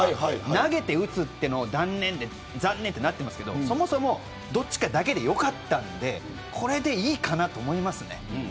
投げて打つのを断念して残念となってるけどそもそもどっちかだけでよかったんでこれでいいかなと思います。